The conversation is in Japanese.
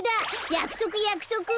やくそくやくそく！